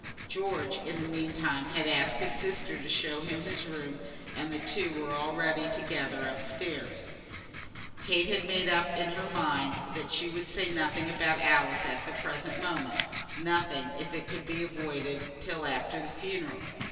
George, in the meantime, had asked his sister to show him his room, and the two were already together up stairs. Kate had made up her mind that she would say nothing about Alice at the present moment, nothing, if it could be avoided, till after the funeral.